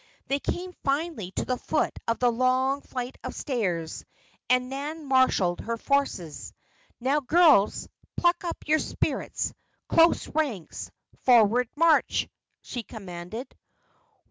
They came finally to the foot of the long flight of steps and Nan marshalled her forces. "Now, girls, pluck up your spirits. Close ranks! Forward march!" she commanded.